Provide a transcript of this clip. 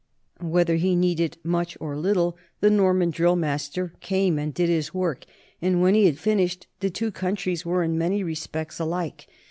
1 Whether he was needed much or little, the Norman drill master came and did his work, and when he had finished the two countries were in many respects alike.